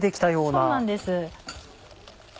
そうなんです。